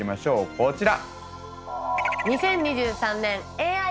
こちら。